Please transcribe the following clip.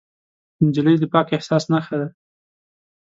نجلۍ د پاک احساس نښه ده.